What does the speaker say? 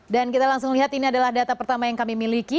dan kita langsung lihat ini adalah data pertama yang kami miliki